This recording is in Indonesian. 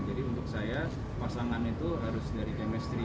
jadi untuk saya pasangan itu harus dari kemestri